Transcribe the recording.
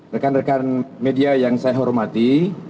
rekan rekan media yang saya hormati